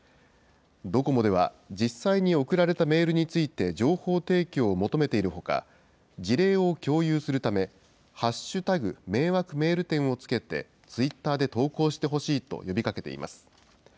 ドコモでは、実際に送られたメールについて、情報提供を求めているほか、事例を共有するため、＃迷惑メール展をつけて、ツイッターで投稿してほしいと呼びかけています。